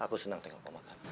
aku senang ketika kamu makan